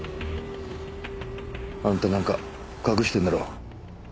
あんたなんか隠してんだろ？